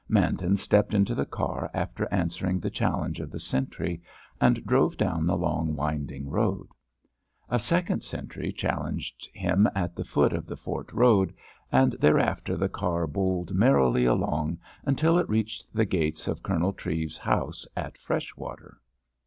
Manton stepped into the car after answering the challenge of the sentry, and drove down the long, winding road. A second sentry challenged him at the foot of the fort road, and thereafter the car bowled merrily along until it reached the gates of Colonel Treves's house at Freshwater.